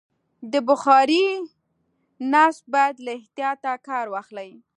د بخارۍ نصب باید له احتیاطه کار واخلي.